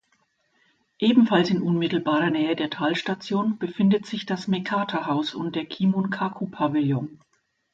Ebenfalls in unmittelbarer Nähe der Talstation befindet sich das Mekata-Haus und der Kimun-kaku-Pavillon.